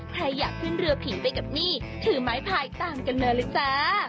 ใครอยากขึ้นเรือผีไปกับนี่ถือไม้พายตามกันเลยจ้า